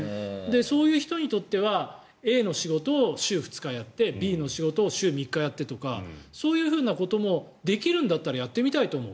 そういう人にとってはＡの仕事を週２日やってＢの仕事を週３日やってとかそういうふうなこともできるんだったらやってみたいと思う。